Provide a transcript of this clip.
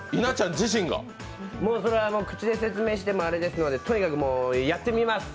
口で説明してもアレですのでとにかくやってみます。